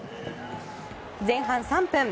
前半３分。